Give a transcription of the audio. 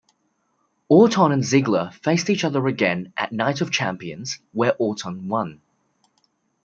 Orton and Ziggler faced each other again at Night of Champions where Orton won.